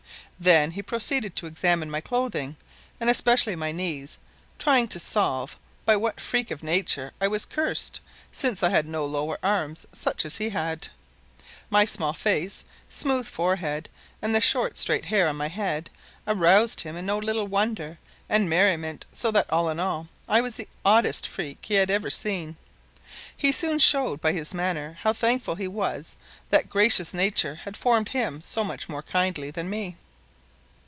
Then he proceeded to examine my clothing and especially my knees, trying to solve by what freak of nature I was cursed since I had no lower arms such as he had. My small face, smooth forehead, and the short straight hair on my head aroused in him no little wonder and merriment, so that, all in all, I was the oddest freak he had ever seen. He soon showed by his manner how thankful he was that gracious nature had formed him so much more kindly than me.